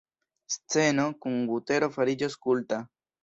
Sceno kun butero fariĝos kulta.